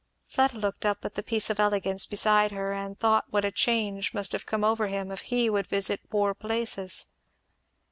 Fleda looked up at the piece of elegance beside her, and thought what a change must have come over him if he would visit poor places.